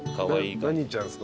何ちゃんですか？